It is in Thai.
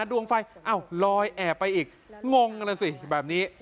ดวงไฟอ้าวลอยแอบไปอีกงงเลยสิแบบนี้